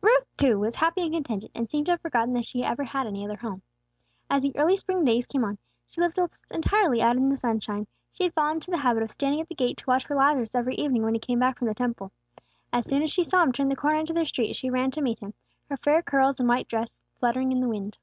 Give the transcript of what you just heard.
Ruth, too, was happy and contented, and seemed to have forgotten that she ever had any other home. As the early spring days came on, she lived almost entirely out in the sunshine. She had fallen into the habit of standing at the gate to watch for Lazarus every evening when he came back from the Temple. As soon as she saw him turn the corner into their street, she ran to meet him, her fair curls and white dress fluttering in the wind.